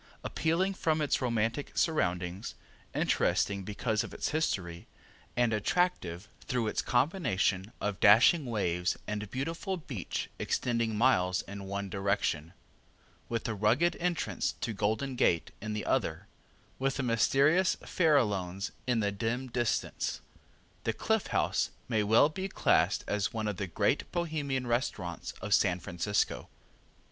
Appealing from its romantic surroundings, interesting because of its history, and attractive through its combination of dashing waves and beautiful beach extending miles in one direction, with the rugged entrance to Golden Gate in the other, with the mysterious Farallones in the dim distance, the Cliff House may well be classed as one of the great Bohemian restaurants of San Francisco.